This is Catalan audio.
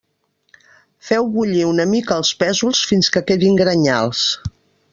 Feu bullir una mica els pèsols fins que quedin grenyals.